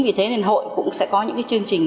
vì thế nên hội cũng sẽ có những chương trình